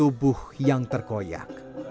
tubuh yang terkoyak